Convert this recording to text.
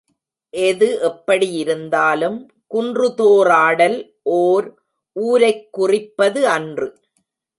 எது எப்படி இருந்தாலும் குன்றுதோறாடல் ஓர் ஊரைக் குறிப்பது அன்று.